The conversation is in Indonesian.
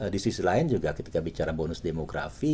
di sisi lain juga ketika bicara bonus demografi